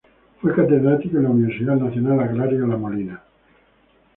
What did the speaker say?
Fue catedrático en la Universidad Nacional Agraria La Molina.